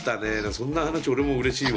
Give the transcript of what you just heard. そんな話俺もうれしいわ。